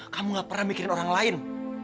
kamu gak pernah mikirin orang lain